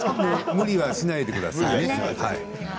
無理はしないでください。